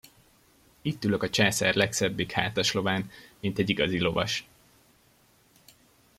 Itt ülök a császár legszebbik hátaslován, mint egy igazi lovas.